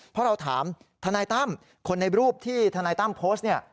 เพราะเราถามทนายตั้มคนในรูปที่ทนายตั้มโพสต์เนี่ย